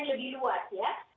lebih luas ya